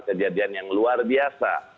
kejadian yang luar biasa